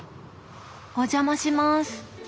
お邪魔します。